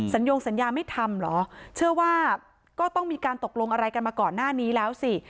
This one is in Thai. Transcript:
ยงสัญญาไม่ทำเหรอเชื่อว่าก็ต้องมีการตกลงอะไรกันมาก่อนหน้านี้แล้วสิ